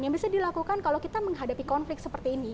yang bisa dilakukan kalau kita menghadapi konflik seperti ini